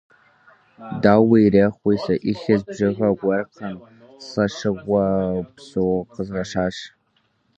Дауи ирехъуи, сэ илъэс бжыгъэ гуэркъым – лӀэщӀыгъуэ псо къэзгъэщӀащ.